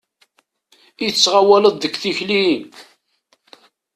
I tettɣawaleḍ deg tikli!